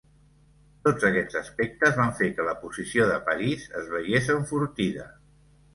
Tots aquests aspectes van fer que la posició de París es veiés enfortida.